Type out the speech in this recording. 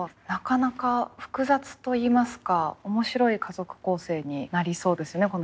なかなか複雑といいますか面白い家族構成になりそうですね